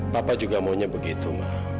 papa juga maunya begitu